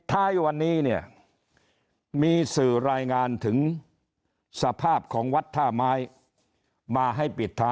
ท้ายวันนี้เนี่ยมีสื่อรายงานถึงสภาพของวัดท่าไม้มา